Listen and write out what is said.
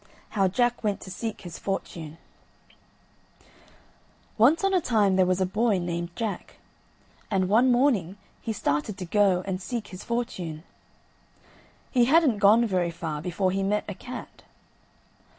HOW JACK WENT TO SEEK HIS FORTUNE Once on a time there was a boy named Jack, and one morning he started to go and seek his fortune. He hadn't gone very far before he met a cat.